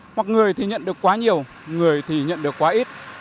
hoặc người thì nhận được quá nhiều người thì nhận được quá ít